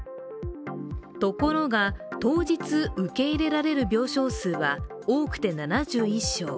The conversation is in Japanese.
ところが当日、受け入れられる病床数は多くて７１床。